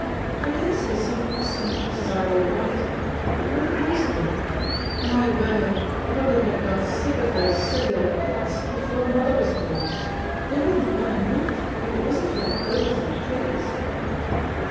I daresay some costume pieces are all right, but look at most of 'em — ^my word, the public had got sick of those silly old plots before mother was born I They wouldn't run a night if it wasn't for the clothes and 'prithees.